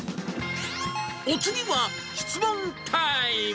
お次は質問タイム。